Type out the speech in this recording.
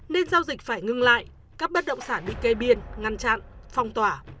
nên giao dịch phải ngưng lại các bất động sản bị kê biên ngăn chặn phong tỏa